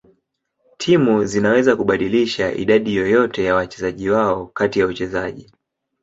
Timu zinaweza kubadilisha idadi yoyote ya wachezaji wao kati ya uchezaji.